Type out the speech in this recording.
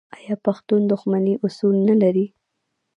آیا پښتون د دښمنۍ اصول نلري؟